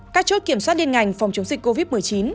các chốt kiểm soát liên ngành phòng chống dịch covid một mươi chín